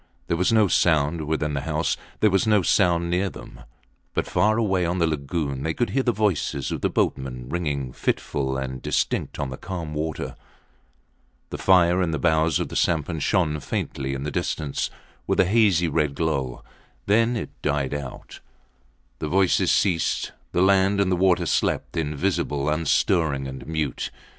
There was no sound within the house, there was no sound near them; but far away on the lagoon they could hear the voices of the boatmen ringing fitful and distinct on the calm water. The fire in the bows of the sampan shone faintly in the distance with a hazy red glow. Then it died out. The voices ceased. The land and the water slept invisible, unstirring and mute.